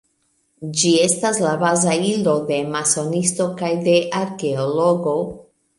Ĝi estas la baza ilo de masonisto kaj de arkeologo.